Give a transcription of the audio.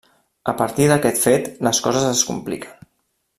A partir d'aquest fet les coses es compliquen.